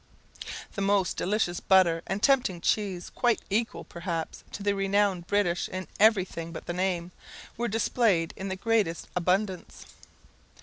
The most delicious butter and tempting cheese, quite equal, perhaps, to the renowned British in every thing but the name, were displayed in the greatest abundance.